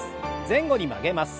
前後に曲げます。